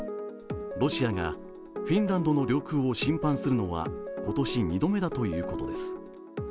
ロシアがフィンランドの領空を侵犯するのは今年２度目だということです。